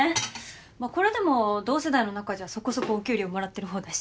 まあこれでも同世代の中じゃそこそこお給料もらってる方だし。